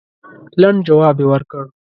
لنډ جواب یې ورکړ.